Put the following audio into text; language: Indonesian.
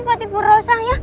buat ibu rosa ya